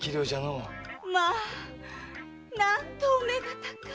まあ何とお目が高い！